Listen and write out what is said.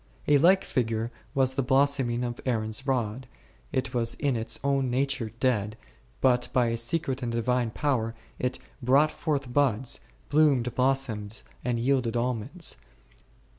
A like figure was the blossom ing of Aaron's rod, it was in its own nature dead, but bv a secret and Divine power it brought forth buds, bloomed blossoms and yielded almonds r